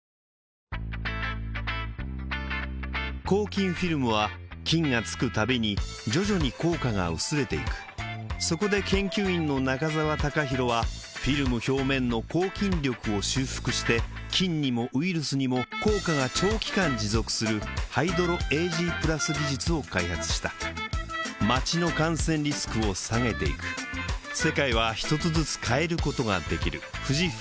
抗菌フィルムは菌が付くたびに徐々に効果が薄れていくそこで研究員の中澤隆浩はフィルム表面の抗菌力を修復して菌にもウイルスにも効果が長期間持続するハイドロエージープラス技術を開発した街の感染リスクを下げていくに学ぶっていうところもありますし。